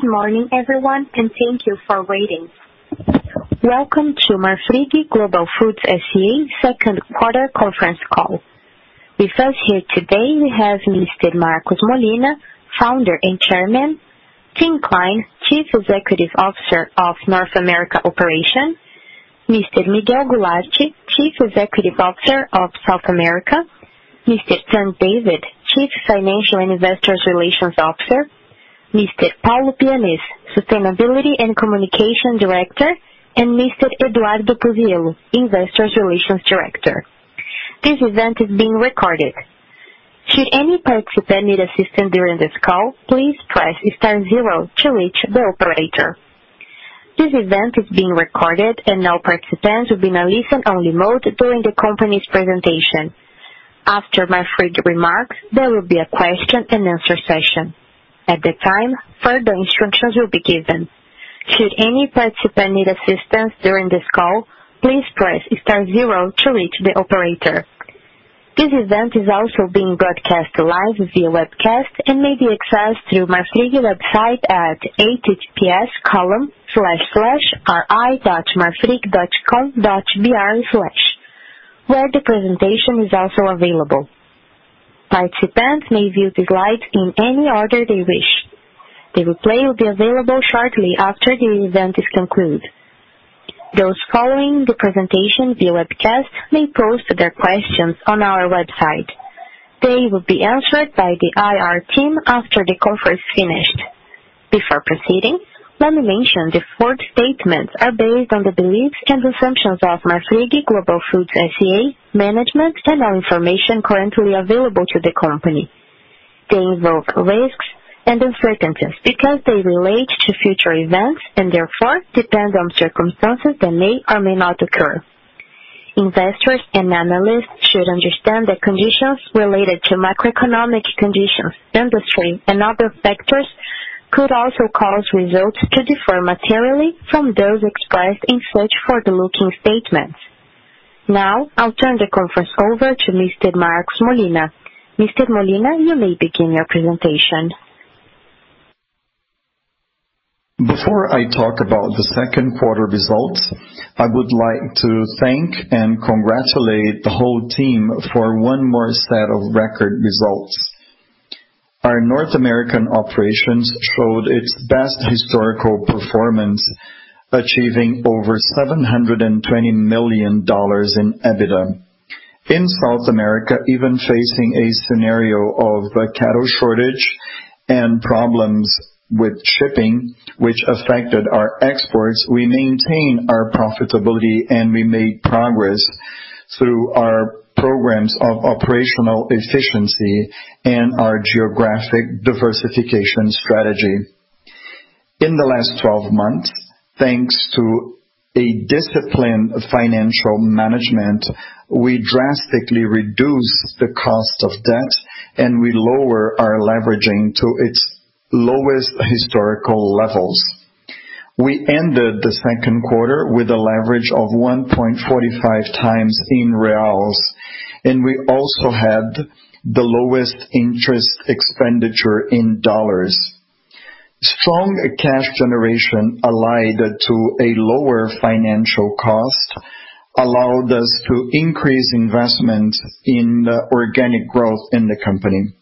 Good morning everyone, and thank you for waiting. Welcome to Marfrig Global Foods S.A.'s second quarter conference call. With us here today we have Mr. Marcos Molina, Founder and Chairman, Tim Klein, Chief Executive Officer of North America Operations, Mr. Miguel Gularte, Chief Executive Officer of South America, Mr. Tang David, Chief Financial and Investor Relations Officer, Mr. Paulo Pianez, Sustainability and Communication Director, and Mr. Eduardo Puzziello, Investor Relations Director. This event is being recorded. Should any participant need assistance during this call, please press star zero to reach the operator. This event is being recorded, and all participants will be in a listen-only mode during the company's presentation. After Marfrig remarks, there will be a question and answer session. At that time, further instructions will be given. Should any participant need assistance during this call, please press star zero to reach the operator. This event is also being broadcast live via webcast and may be accessed through Marfrig website at https://ri.marfrig.com.br/, where the presentation is also available. Participants may view the slides in any order they wish. The replay will be available shortly after the event is concluded. Those following the presentation via webcast may post their questions on our website. They will be answered by the IR team after the call is finished. Before proceeding, let me mention the forward statements are based on the beliefs and assumptions of Marfrig Global Foods S.A. management and on information currently available to the company. They invoke risks and uncertainties because they relate to future events and therefore depend on circumstances that may or may not occur. Investors and analysts should understand that conditions related to macroeconomic conditions, industry, and other factors could also cause results to differ materially from those expressed in such forward-looking statements. Now, I'll turn the conference over to Mr. Marcos Molina. Mr. Molina, you may begin your presentation. Before I talk about the second quarter results, I would like to thank and congratulate the whole team for one more set of record results. Our North American operations showed its best historical performance, achieving over $720 million in EBITDA. In South America, even facing a scenario of a cattle shortage and problems with shipping, which affected our exports, we maintain our profitability and we made progress through our programs of operational efficiency and our geographic diversification strategy. In the last 12 months, thanks to a disciplined financial management, we drastically reduced the cost of debt. We lowered our leveraging to its lowest historical levels. We ended the second quarter with a leverage of 1.45x in BRL. We also had the lowest interest expenditure in dollars. Strong cash generation allied to a lower financial cost allowed us to increase investment in the organic growth in the company.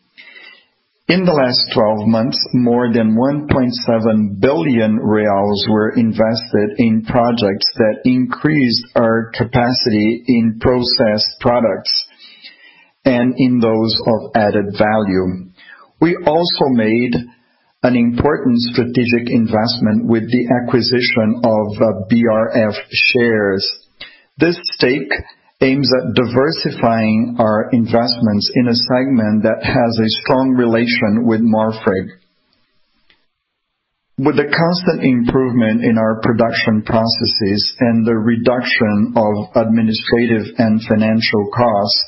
In the last 12 months, more than 1.7 billion reais were invested in projects that increased our capacity in processed products and in those of added value. We also made an important strategic investment with the acquisition of BRF shares. This stake aims at diversifying our investments in a segment that has a strong relation with Marfrig. With the constant improvement in our production processes and the reduction of administrative and financial costs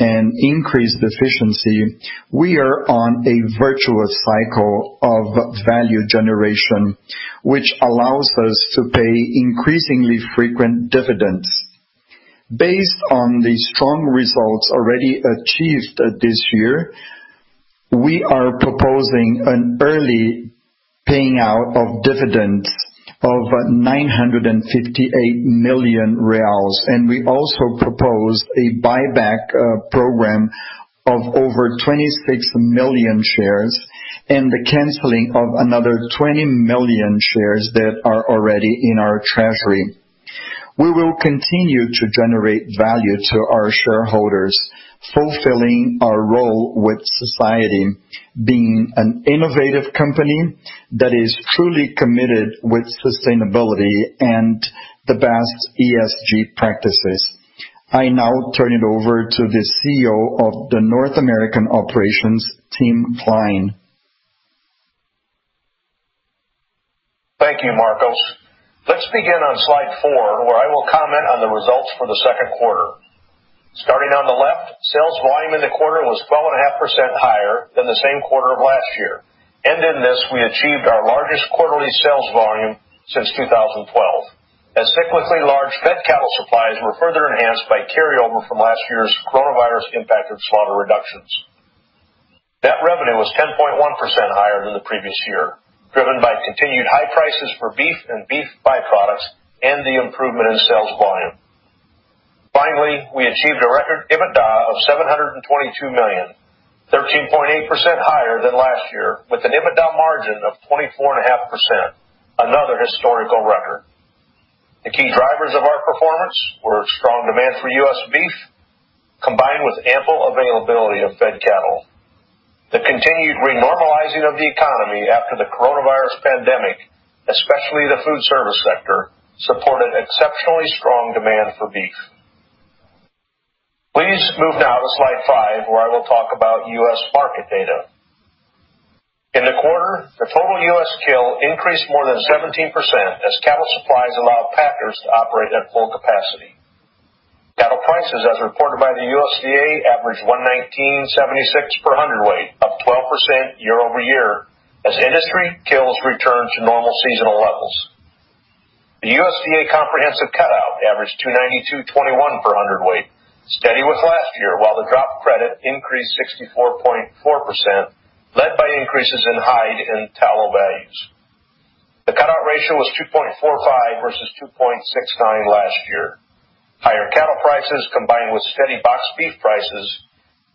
and increased efficiency, we are on a virtuous cycle of value generation, which allows us to pay increasingly frequent dividends. Based on the strong results already achieved this year, we are proposing an early paying out of dividends of 958 million reais, and we also propose a buyback program of over 26 million shares and the canceling of another 20 million shares that are already in our treasury. We will continue to generate value to our shareholders, fulfilling our role with society, being an innovative company that is truly committed with sustainability and the best ESG practices. I now turn it over to the CEO of the North American operations, Tim Klein. Thank you, Marcos. Let's begin on slide `four, where I will comment on the results for the second quarter. Starting on the left, sales volume in the quarter was 12.5% higher than the same quarter of last year. In this, we achieved our largest quarterly sales volume since 2012. As cyclically large fed cattle supplies were further enhanced by carryover from last year's coronavirus impacted slaughter reductions. Net revenue was 10.1% higher than the previous year, driven by continued high prices for beef and beef by-products and the improvement in sales volume. Finally, we achieved a record EBITDA of 722 million, 13.8% higher than last year with an EBITDA margin of 24.5%, another historical record. The key drivers of our performance were strong demand for U.S. beef, combined with ample availability of fed cattle. The continued renormalizing of the economy after the coronavirus pandemic, especially the food service sector, supported exceptionally strong demand for beef. Please move now to slide five, where I will talk about U.S. market data. In the quarter, the total U.S. kill increased more than 17% as cattle supplies allowed packers to operate at full capacity. Cattle prices as reported by the USDA, averaged $119.76/hundredweight, up 12% year-over-year, as industry kills return to normal seasonal levels. The USDA comprehensive cutout averaged $292.21/hundredweight, steady with last year, while the drop credit increased 64.4%, led by increases in hide and tallow values. The cutout ratio was 2.45 versus 2.69 last year. Higher cattle prices combined with steady box beef prices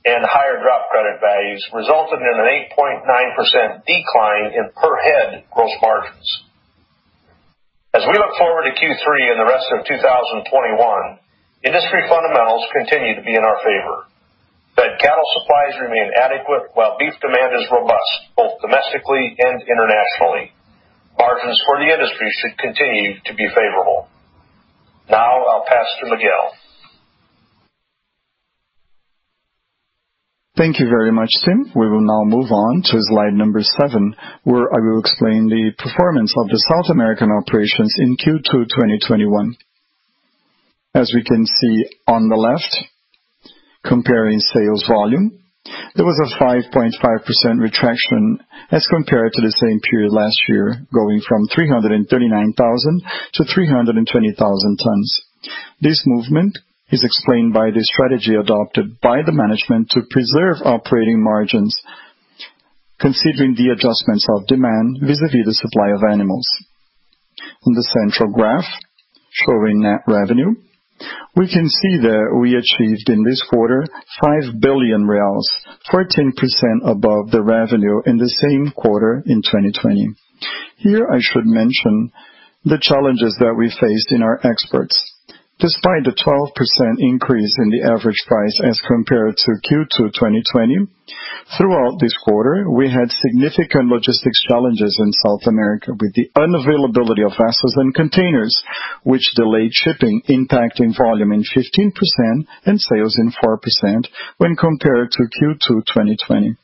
and higher drop credit values resulted in an 8.9% decline in per head gross margins. As we look forward to Q3 and the rest of 2021, industry fundamentals continue to be in our favor. Fed cattle supplies remain adequate, while beef demand is robust both domestically and internationally. Margins for the industry should continue to be favorable. Now, I'll pass to Miguel. Thank you very much, Tim. We will now move on to slide number seven, where I will explain the performance of the South American operations in Q2 2021. As we can see on the left, comparing sales volume, there was a 5.5% retraction as compared to the same period last year, going from 339,000 tons-320,000 tons. This movement is explained by the strategy adopted by the management to preserve operating margins, considering the adjustments of demand vis-à-vis the supply of animals. On the central graph showing net revenue, we can see that we achieved in this quarter 5 billion reais, 14% above the revenue in the same quarter in 2020. Here I should mention the challenges that we faced in our exports. Despite a 12% increase in the average price as compared to Q2 2020, throughout this quarter, we had significant logistics challenges in South America with the unavailability of vessels and containers, which delayed shipping, impacting volume in 15% and sales in 4% when compared to Q2 2020.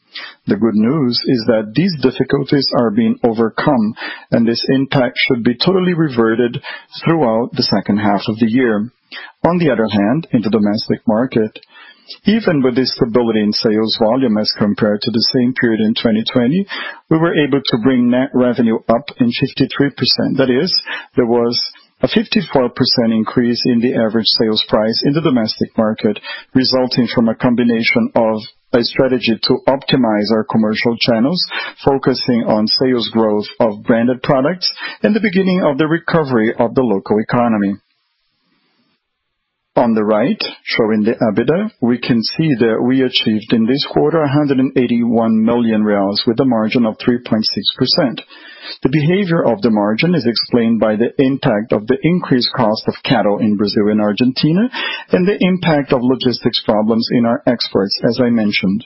The good news is that these difficulties are being overcome, and this impact should be totally reverted throughout the second half of the year. On the other hand, in the domestic market, even with the stability in sales volume as compared to the same period in 2020, we were able to bring net revenue up in 53%. That is, there was a 54% increase in the average sales price in the domestic market, resulting from a combination of a strategy to optimize our commercial channels, focusing on sales growth of branded products and the beginning of the recovery of the local economy. On the right, showing the EBITDA, we can see that we achieved in this quarter 181 million reais with a margin of 3.6%. The behavior of the margin is explained by the impact of the increased cost of cattle in Brazil and Argentina, and the impact of logistics problems in our exports, as I mentioned.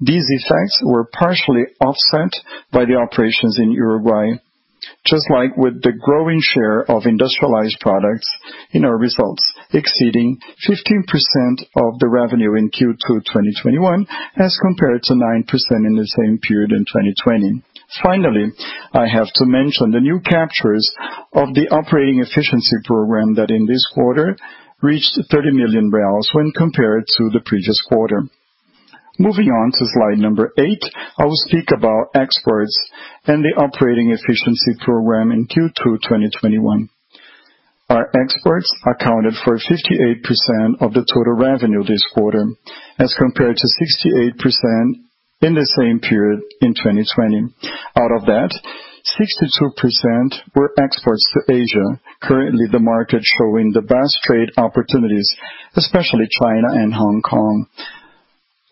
These effects were partially offset by the operations in Uruguay, just like with the growing share of industrialized products in our results, exceeding 15% of the revenue in Q2 2021 as compared to 9% in the same period in 2020. Finally, I have to mention the new captures of the operating efficiency program that in this quarter reached 30 million when compared to the previous quarter. Moving on to slide number eight, I will speak about exports and the operating efficiency program in Q2 2021. Our exports accounted for 58% of the total revenue this quarter, as compared to 68% in the same period in 2020. Out of that, 62% were exports to Asia, currently the market showing the best trade opportunities, especially China and Hong Kong.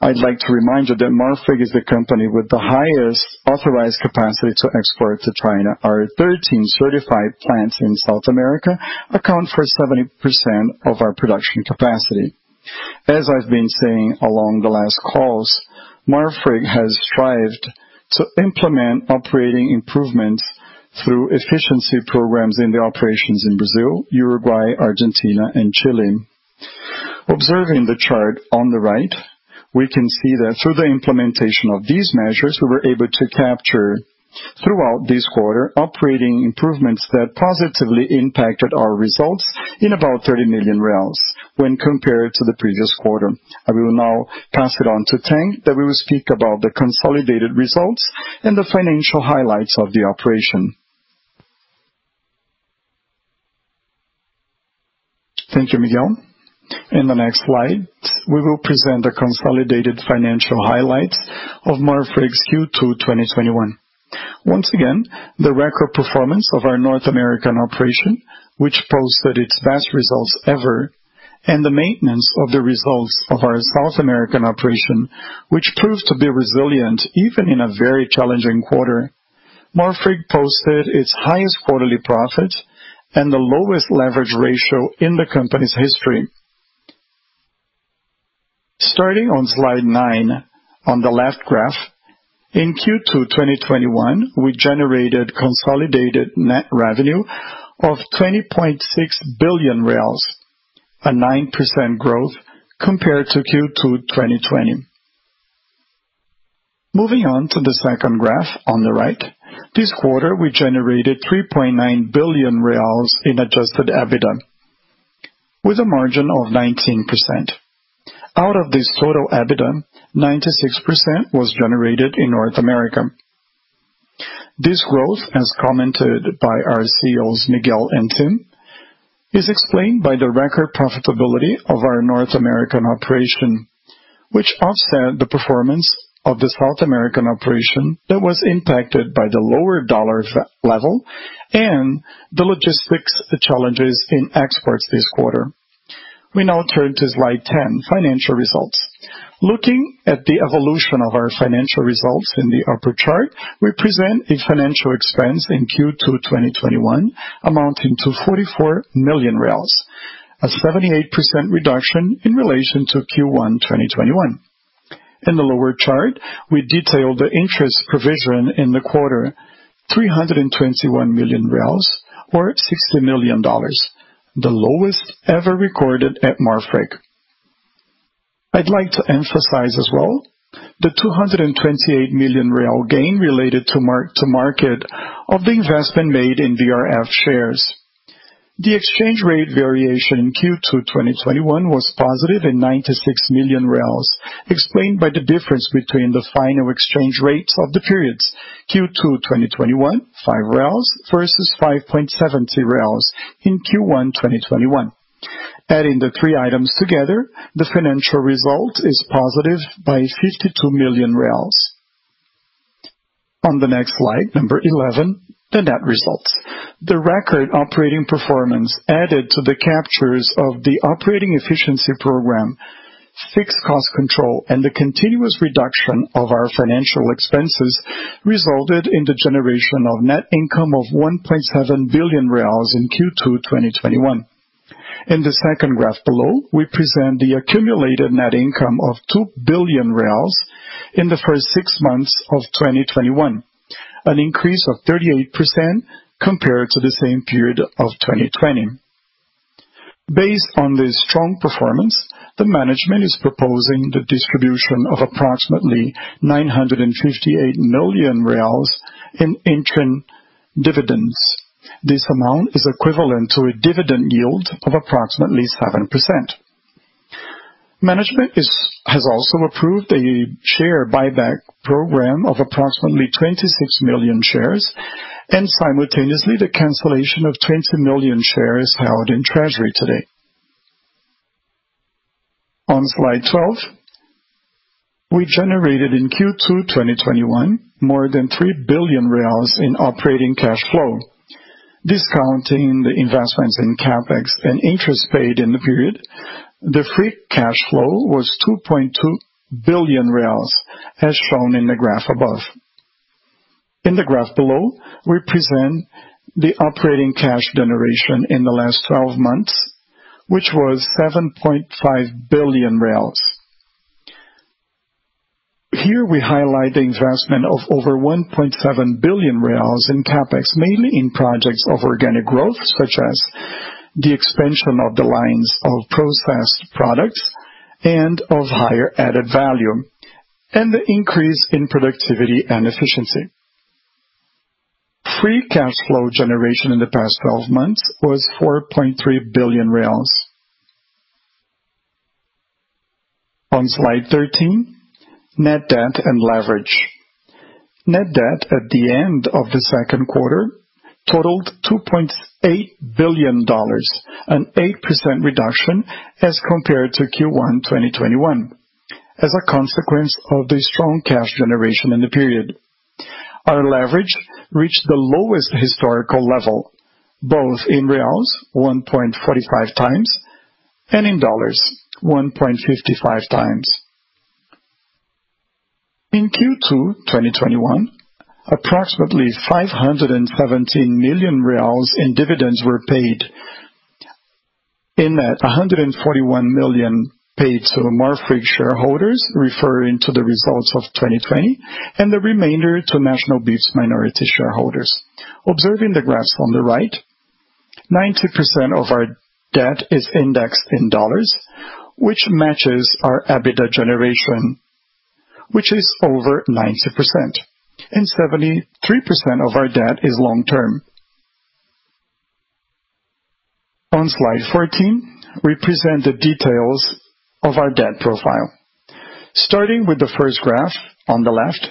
I'd like to remind you that Marfrig is the company with the highest authorized capacity to export to China. Our 13 certified plants in South America account for 70% of our production capacity. As I've been saying along the last calls, Marfrig has strived to implement operating improvements through efficiency programs in the operations in Brazil, Uruguay, Argentina, and Chile. Observing the chart on the right, we can see that through the implementation of these measures, we were able to capture, throughout this quarter, operating improvements that positively impacted our results in about 30 million when compared to the previous quarter. I will now pass it on to Tang, that we will speak about the consolidated results and the financial highlights of the operation. Thank you, Miguel. In the next slide, we will present the consolidated financial highlights of Marfrig's Q2 2021. Once again, the record performance of our North American operation, which posted its best results ever, and the maintenance of the results of our South American operation, which proved to be resilient, even in a very challenging quarter. Marfrig posted its highest quarterly profit and the lowest leverage ratio in the company's history. Starting on slide nine, on the left graph, in Q2 2021, we generated consolidated net revenue of 20.6 billion, a 9% growth compared to Q2 2020. Moving on to the second graph on the right. This quarter, we generated 3.9 billion reais in adjusted EBITDA, with a margin of 19%. Out of this total EBITDA, 96% was generated in North America. This growth, as commented by our CEOs, Miguel and Tim, is explained by the record profitability of our North American operation, which offset the performance of the South American operation that was impacted by the lower dollar level and the logistics challenges in exports this quarter. We now turn to slide 10, financial results. Looking at the evolution of our financial results in the upper chart, we present a financial expense in Q2 2021 amounting to 44 million, a 78% reduction in relation to Q1 2021. In the lower chart, we detail the interest provision in the quarter, 321 million or $60 million, the lowest ever recorded at Marfrig. I'd like to emphasize as well the 228 million real gain related to market of the investment made in BRF shares. The exchange rate variation in Q2 2021 was positive in 96 million, explained by the difference between the final exchange rates of the periods Q2 2021, 5 versus 5.70 in Q1 2021. Adding the three items together, the financial result is positive by 52 million. On the next slide, number 11, the net results. The record operating performance added to the captures of the operating efficiency program, fixed cost control, and the continuous reduction of our financial expenses resulted in the generation of net income of 1.7 billion reais in Q2 2021. In the second graph below, we present the accumulated net income of 2 billion reais in the first six months of 2021, an increase of 38% compared to the same period of 2020. Based on this strong performance, the management is proposing the distribution of approximately 958 million reais in interim dividends. This amount is equivalent to a dividend yield of approximately 7%. Management has also approved a share buyback program of approximately 26 million shares, and simultaneously the cancellation of 20 million shares held in treasury today. On slide 12, we generated in Q2 2021 more than 3 billion reais in operating cash flow. Discounting the investments in CapEx and interest paid in the period, the free cash flow was 2.2 billion reais, as shown in the graph above. In the graph below, we present the operating cash generation in the last 12 months, which was 7.5 billion. Here we highlight the investment of over 1.7 billion in CapEx, mainly in projects of organic growth, such as the expansion of the lines of processed products and of higher added value, and the increase in productivity and efficiency. Free cash flow generation in the past 12 months was 4.3 billion. On slide 13, net debt and leverage. Net debt at the end of the second quarter totaled $2.8 billion, an 8% reduction as compared to Q1 2021, as a consequence of the strong cash generation in the period. Our leverage reached the lowest historical level, both in BRL, 1.45x, and in USD, 1.55x. In Q2 2021, approximately 517 million reais in dividends were paid. In that, 141 million paid to Marfrig shareholders referring to the results of 2020, and the remainder to National Beef's minority shareholders. Observing the graphs on the right, 90% of our debt is indexed in USD, which matches our EBITDA generation, which is over 90%, and 73% of our debt is long-term. On slide 14, we present the details of our debt profile. Starting with the first graph on the left.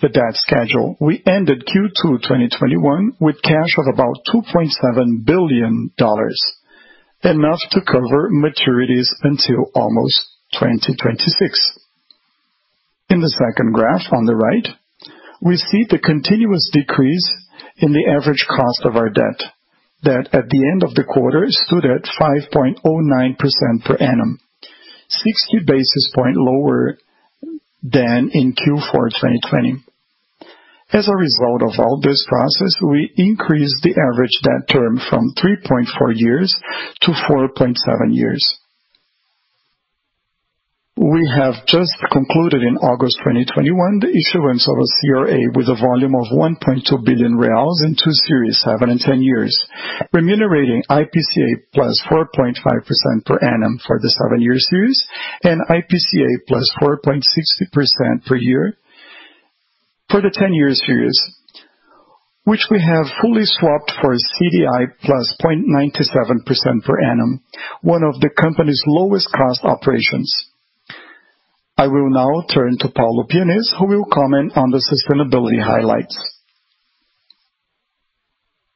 The debt schedule. We ended Q2 2021 with cash of about $2.7 billion, enough to cover maturities until almost 2026. In the second graph on the right, we see the continuous decrease in the average cost of our debt, that at the end of the quarter stood at 5.09% per annum, 60 basis points lower than in Q4 2020. As a result of all this process, we increased the average debt term from 3.4 years to 4.7 years. We have just concluded in August 2021, the issuance of a CRA with a volume of 1.2 billion reais in two series, seven and 10 years, remunerating IPCA +4.5% per annum for the seven years series and IPCA +4.60% per year for the 10 years series, which we have fully swapped for CDI +0.97% per annum, one of the company's lowest cost operations. I will now turn to Paulo Pianez, who will comment on the sustainability highlights.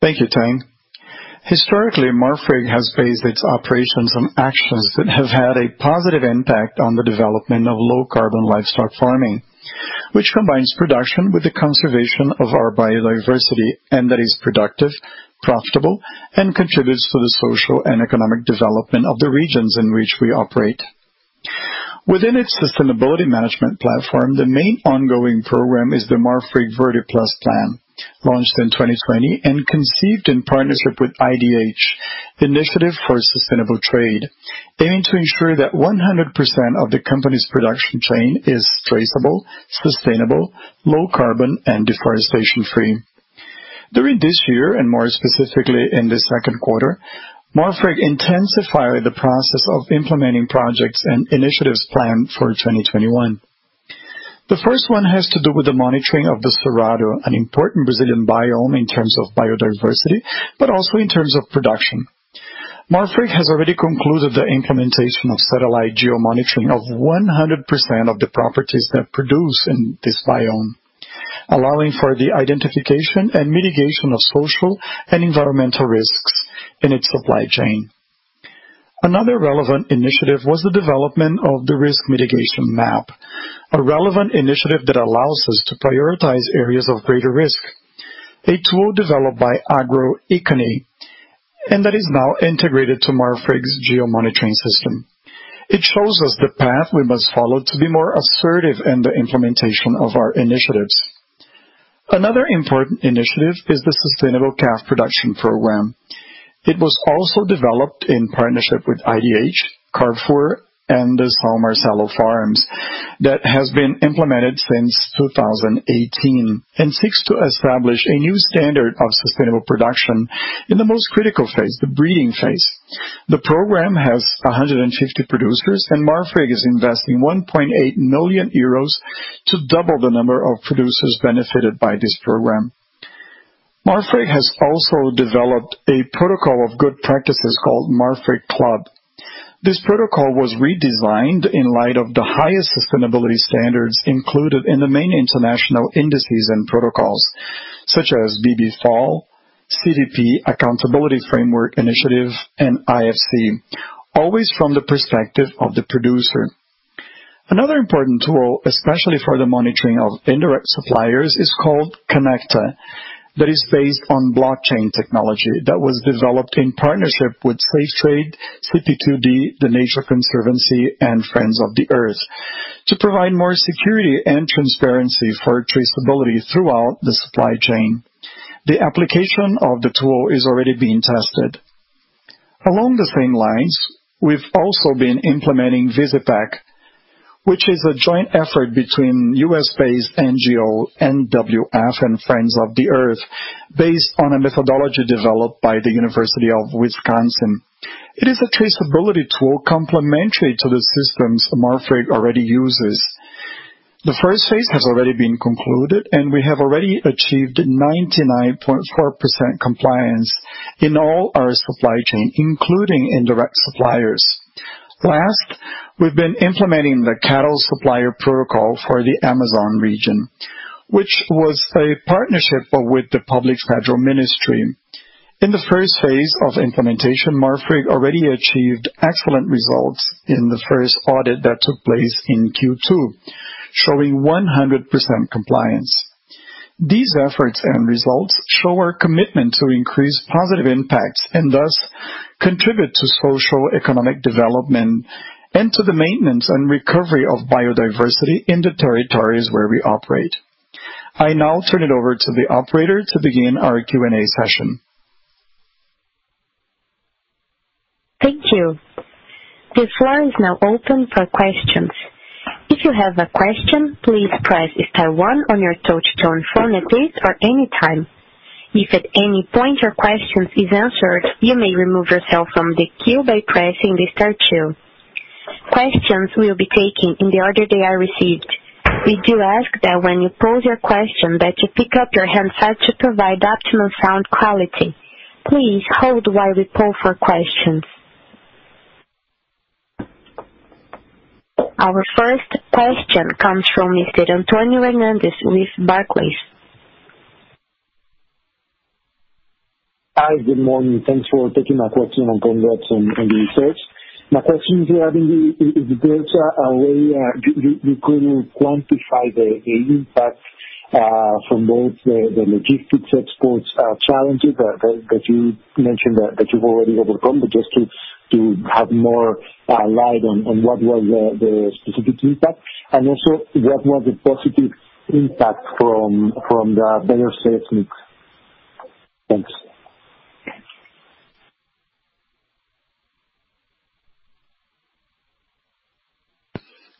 Thank you, Tang. Historically, Marfrig has based its operations on actions that have had a positive impact on the development of low-carbon livestock farming, which combines production with the conservation of our biodiversity and that is productive, profitable, and contributes to the social and economic development of the regions in which we operate. Within its sustainability management platform, the main ongoing program is the Marfrig Verde+ plan, launched in 2020 and conceived in partnership with IDH, The Sustainable Trade Initiative, aiming to ensure that 100% of the company's production chain is traceable, sustainable, low carbon, and deforestation-free. During this year, and more specifically in the second quarter, Marfrig intensified the process of implementing projects and initiatives planned for 2021. The first one has to do with the monitoring of the Cerrado, an important Brazilian biome in terms of biodiversity, but also in terms of production. Marfrig has already concluded the implementation of satellite geomonitoring of 100% of the properties that produce in this biome, allowing for the identification and mitigation of social and environmental risks in its supply chain. Another relevant initiative was the development of the risk mitigation map, a relevant initiative that allows us to prioritize areas of greater risk. A tool developed by Agroicone, and that is now integrated to Marfrig's geomonitoring system. It shows us the path we must follow to be more assertive in the implementation of our initiatives. Another important initiative is the Sustainable Production of Calves Program. It was also developed in partnership with IDH, Carrefour, and the São Marcelo Farms that has been implemented since 2018, and seeks to establish a new standard of sustainable production in the most critical phase, the breeding phase. The program has 150 producers, and Marfrig is investing 1.8 million euros to double the number of producers benefited by this program. Marfrig has also developed a protocol of good practices called Marfrig Club. This protocol was redesigned in light of the highest sustainability standards included in the main international indices and protocols such as BBFAW, CDP, Accountability Framework initiative, and IFC, always from the perspective of the producer. Another important tool, especially for the monitoring of indirect suppliers, is called Conecta, that is based on blockchain technology that was developed in partnership with Safe Trace, CPQD, The Nature Conservancy, and Friends of the Earth to provide more security and transparency for traceability throughout the supply chain. The application of the tool is already being tested. Along the same lines, we've also been implementing Visipec, which is a joint effort between U.S.-based NGO, NWF, and Friends of the Earth, based on a methodology developed by the University of Wisconsin. It is a traceability tool complementary to the systems Marfrig already uses. The first phase has already been concluded, and we have already achieved 99.4% compliance in all our supply chain, including indirect suppliers. Last, we've been implementing the cattle supplier protocol for the Amazon region, which was a partnership with the Federal Public Ministry. In the first phase of implementation, Marfrig already achieved excellent results in the first audit that took place in Q2, showing 100% compliance. These efforts and results show our commitment to increase positive impacts and thus contribute to socio-economic development and to the maintenance and recovery of biodiversity in the territories where we operate. I now turn it over to the operator to begin our Q&A session. Thank you. The floor is now open for questions. If you have a question, please press star one on your touchtone phone at this or any time. If at any point your question is answered you may remove yourself from the queue by pressing the star two. Questions will be taking in the order that I received. Did you ask that when you poll your question that you pick up your handset to provide optimum sound quality. Please hold while we poll for question. Our first question comes from Mr. Antonio Hernandes with Barclays. Hi. Good morning. Thanks for taking my question, and congrats on the results. My question to you, [inaudible] is there a way you could quantify the impact from both the logistics exports challenges that you mentioned that you've already overcome, but just to have more light on what was the specific impact, and also what was the positive impact from the better sales mix?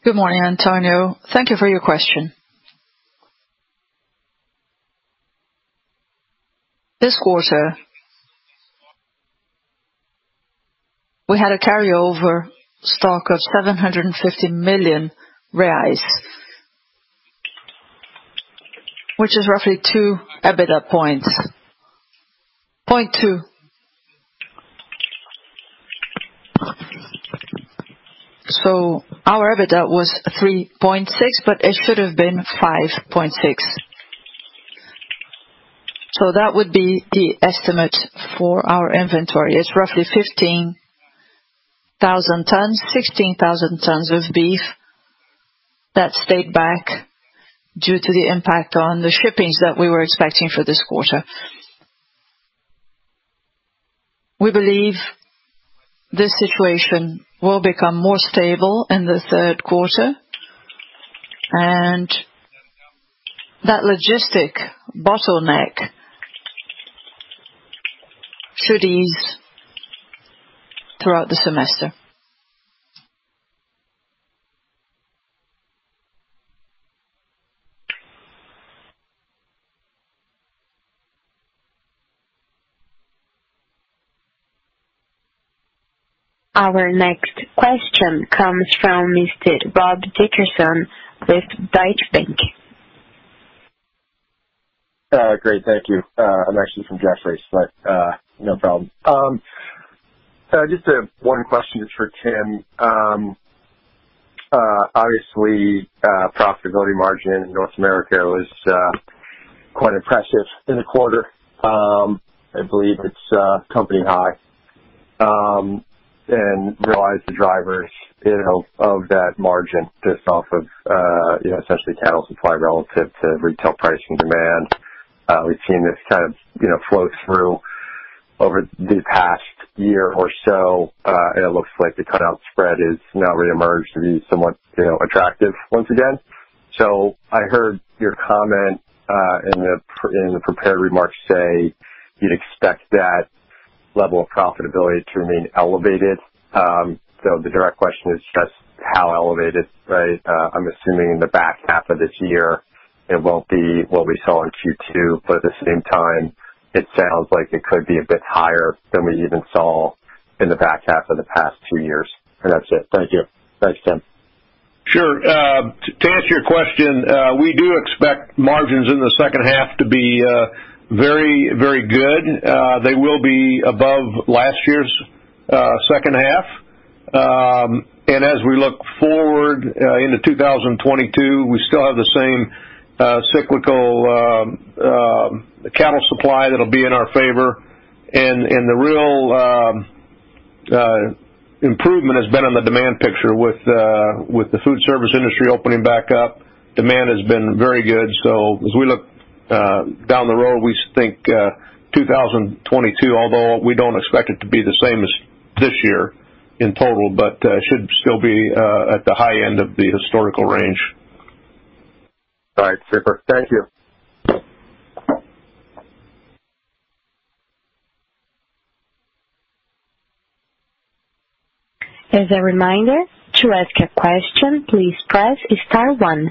Thanks. Good morning, Antonio. Thank you for your question. This quarter, we had a carryover stock of 750 million reais, which is roughly 2 EBITDA points, 0.2 points. Our EBITDA was 3.6 points, but it should have been 5.6 points. That would be the estimate for our inventory. It's roughly 15,000 tons, 16,000 tons of beef that stayed back due to the impact on the shippings that we were expecting for this quarter. We believe this situation will become more stable in the third quarter, and that logistic bottleneck should ease throughout the semester. Our next question comes from Mr. Rob Dickerson with Deutsche Bank. Great. Thank you. I'm actually from Jefferies, no problem. Just one question for Tim. Obviously, profitability margin in North America was quite impressive in the quarter. I believe it's company high. Realize the drivers of that margin just off of essentially cattle supply relative to retail pricing demand. We've seen this kind of flow through over the past year or so, and it looks like the cutout spread has now reemerged to be somewhat attractive once again. I heard your comment in the prepared remarks say you'd expect that level of profitability to remain elevated. The direct question is just how elevated, right? I'm assuming in the back half of this year it won't be what we saw in Q2, but at the same time, it sounds like it could be a bit higher than we even saw in the back half of the past two years. That's it. Thank you. Thanks, Tim. Sure. To answer your question, we do expect margins in the second half to be very good. They will be above last year's second half. As we look forward into 2022, we still have the same cyclical cattle supply that'll be in our favor. The real improvement has been on the demand picture with the food service industry opening back up. Demand has been very good. As we look down the road, we think 2022, although we don't expect it to be the same as this year in total, but should still be at the high end of the historical range. All right. Super. Thank you. As a reminder, to ask a question, please press star one.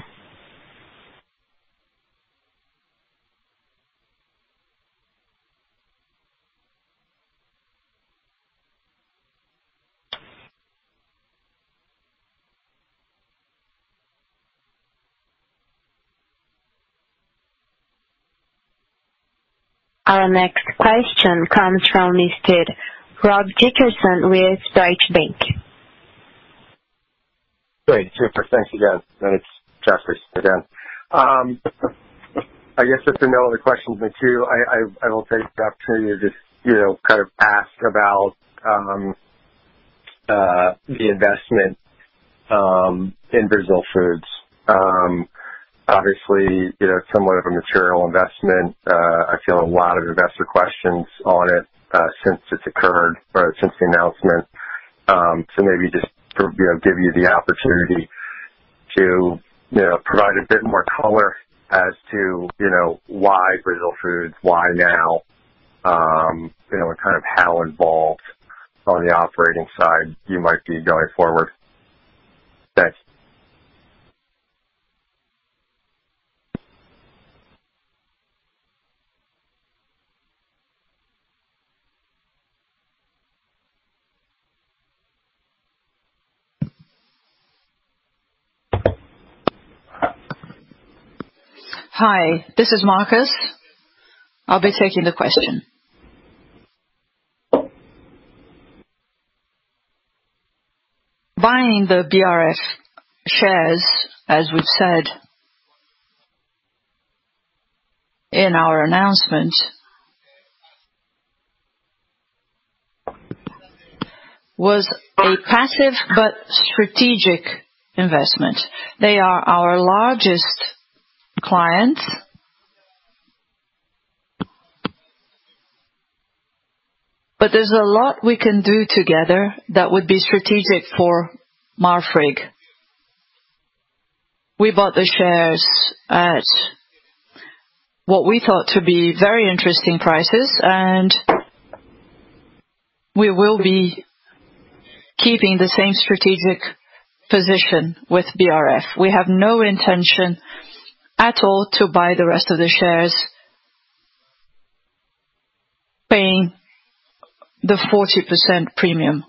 Our next question comes from Mr. Rob Dickerson with Deutsche Bank. Great. Super. Thanks again. It's Jefferies again. I guess if there are no other questions for you, I will take the opportunity to just kind of ask about the investment in Brasil Foods. Obviously, somewhat of a material investment. I field a lot of investor questions on it since it's occurred or since the announcement. Maybe just to give you the opportunity to provide a bit more color as to why Brasil Foods, why now, and kind of how involved on the operating side you might be going forward. Thanks. Hi, this is Marcos. I'll be taking the question. Buying the BRF shares, as we've said in our announcement, was a passive but strategic investment. They are our largest client, but there's a lot we can do together that would be strategic for Marfrig. We bought the shares at what we thought to be very interesting prices, and we will be keeping the same strategic position with BRF. We have no intention at all to buy the rest of the shares, paying the 40% premium.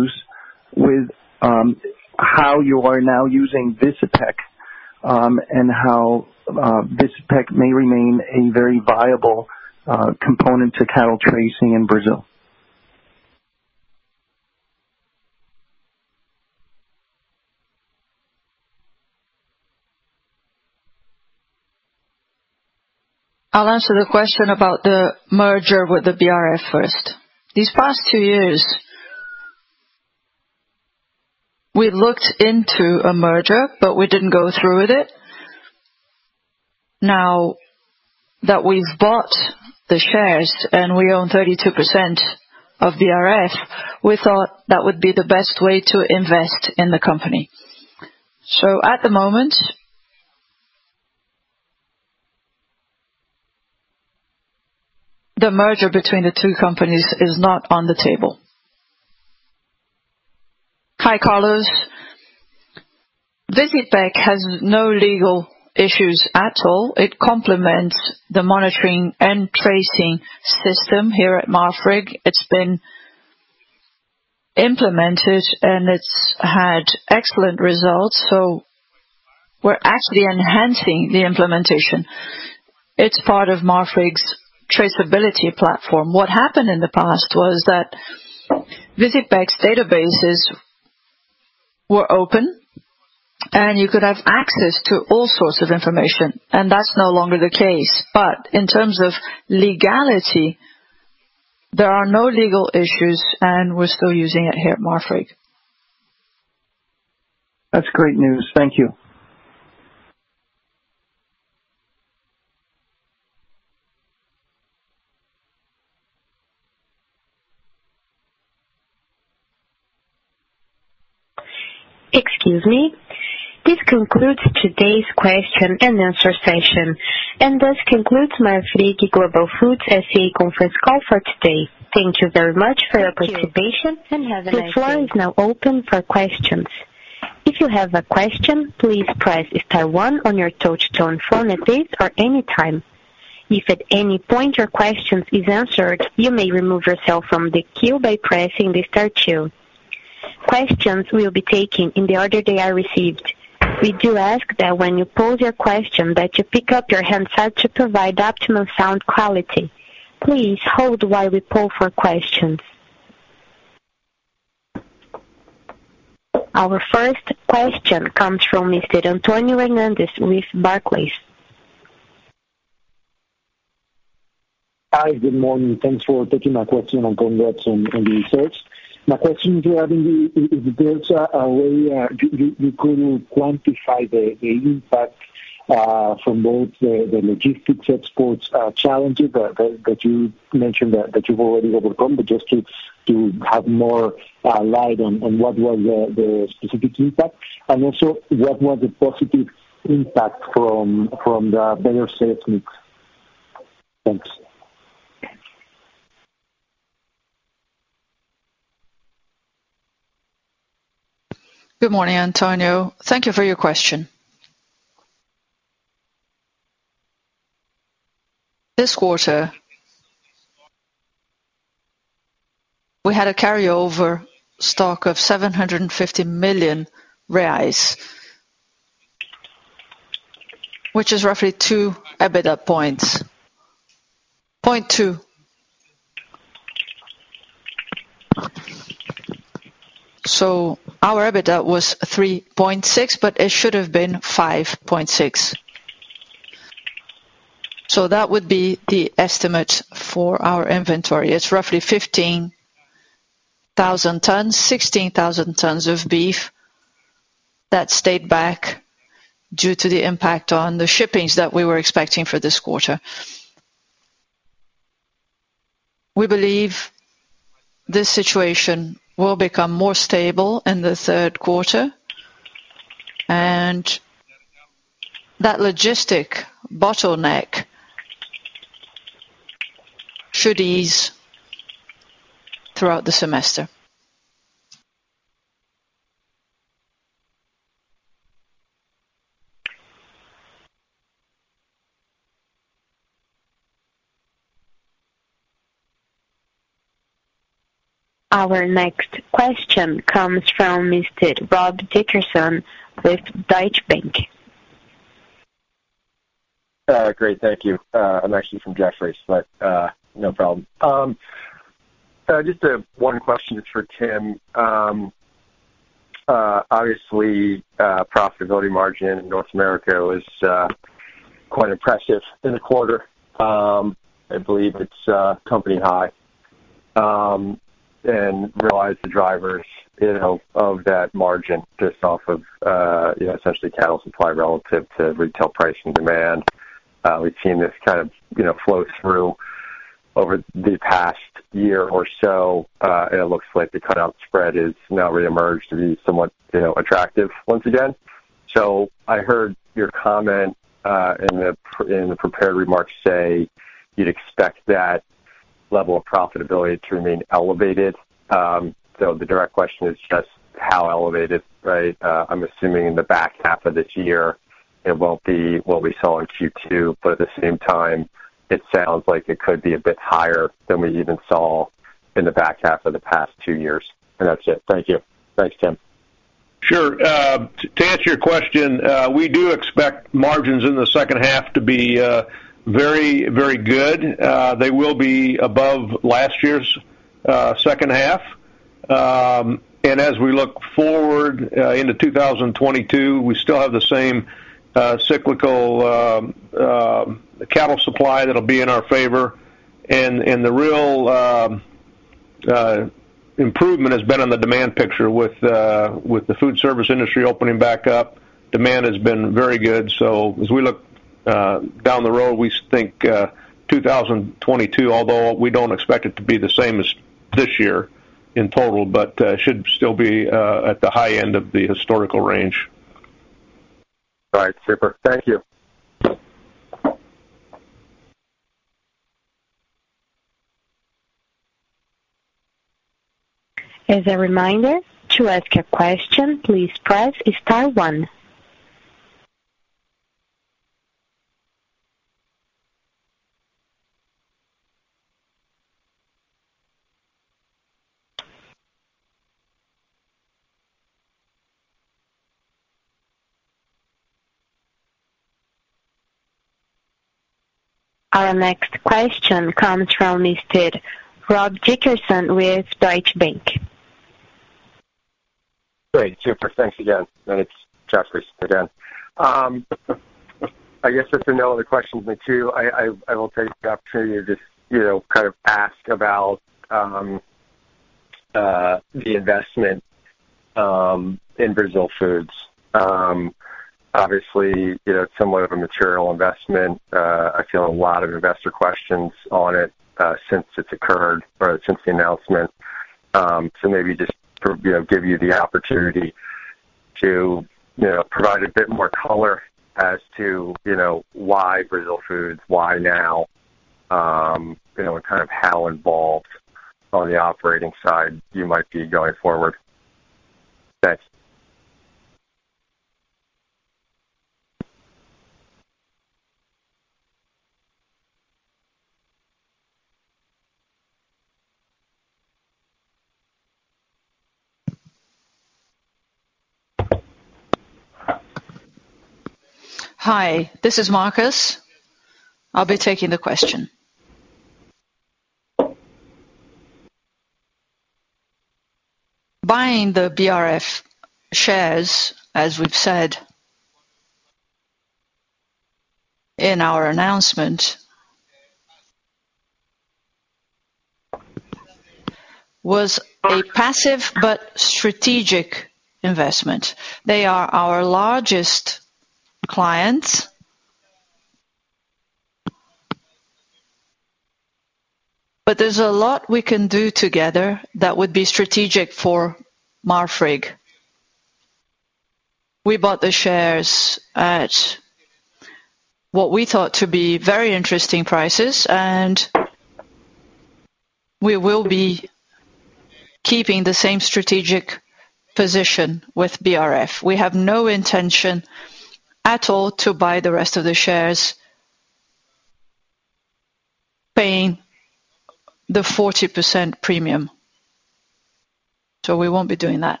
We won't be doing that.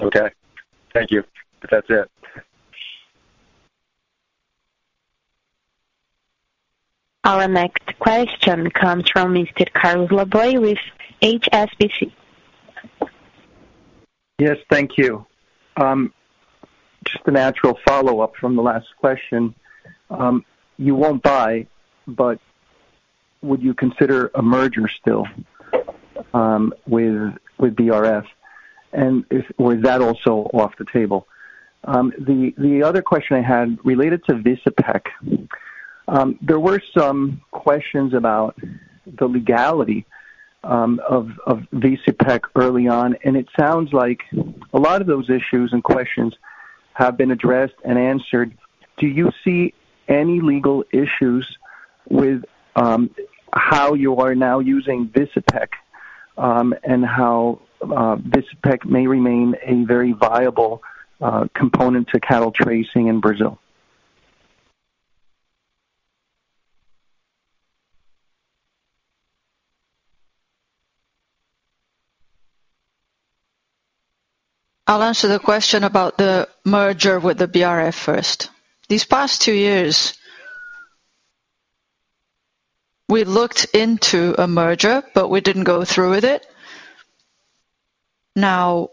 Okay. Thank you. That's it. Our next question comes from Mr. Carlos Laboy with HSBC. Yes, thank you. Just a natural follow-up from the last question. You won't buy, but would you consider a merger still with BRF? If, was that also off the table? The other question I had related to Visipec. There were some questions about the legality of Visipec early on, and it sounds like a lot of those issues and questions have been addressed and answered. Do you see any legal issues with how you are now using Visipec, and how Visipec may remain a very viable component to cattle tracing in Brazil? I'll answer the question about the merger with the BRF first. These past two years, we looked into a merger, but we didn't go through with it. Now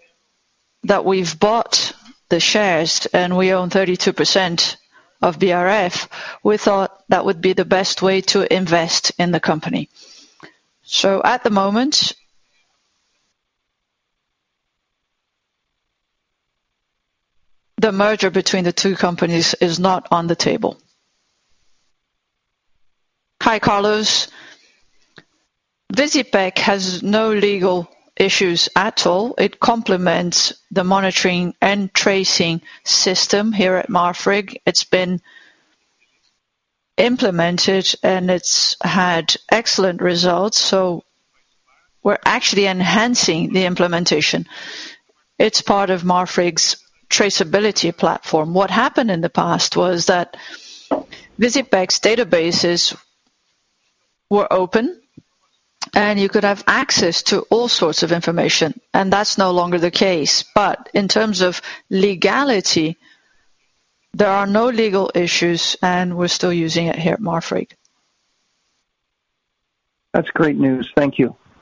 that we've bought the shares and we own 32% of BRF, we thought that would be the best way to invest in the company. At the moment, the merger between the two companies is not on the table. Hi, Carlos. Visipec has no legal issues at all. It complements the monitoring and tracing system here at Marfrig. It's been implemented, and it's had excellent results. We're actually enhancing the implementation. It's part of Marfrig's traceability platform. What happened in the past was that Visipec's databases were open, and you could have access to all sorts of information. That's no longer the case. In terms of legality, there are no legal issues, and we're still using it here at Marfrig. That's great news. Thank you. Excuse me. This concludes today's question and answer session, and this concludes Marfrig Global Foods S.A. conference call for today. Thank you very much for your participation and have a nice day.